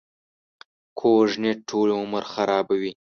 کوږ نیت ټول عمر خرابوي